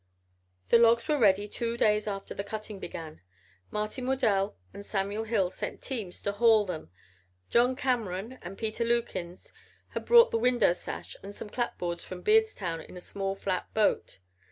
The logs were ready two days after the cutting began. Martin Waddell and Samuel Hill sent teams to haul them. John Cameron and Peter Lukins had brought the window sash and some clapboards from Beardstown in a small flat boat.